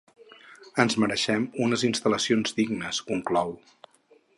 “Ens mereixem unes instal·lacions dignes”, conclou.